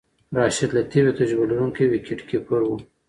راشد لطيف یو تجربه لرونکی وکټ کیپر وو.